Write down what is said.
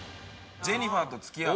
ジェニファーと付き合う。